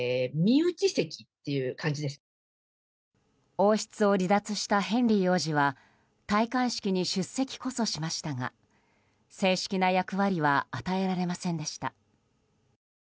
王室を離脱したヘンリー王子は戴冠式に出席こそしましたが正式な役割は与えられませんでした。